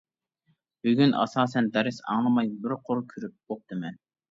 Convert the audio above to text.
بۈگۈن ئاساسەن دەرس ئاڭلىماي بىر قۇر كۆرۈپ بوپتىمەن.